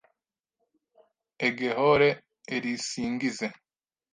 Egehore erisingize”.